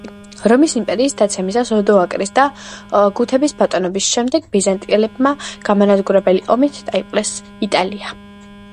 რომის იმპერიის დაცემისას, ოდოაკრის და გუთების ბატონობის შემდეგ, ბიზანტიელებმა გამანადგურებელი ომით დაიპყრეს იტალია.